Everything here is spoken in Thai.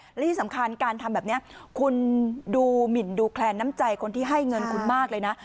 และที่สำคัญการทำแบบนี้คุณดูหมินดูแคลนน้ำใจคนที่ให้เงินคุณมากเลยนะ